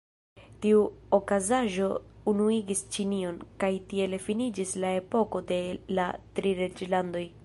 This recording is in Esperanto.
Tiu okazaĵo unuigis Ĉinion, kaj tiele finiĝis la epoko de la Tri Reĝlandoj.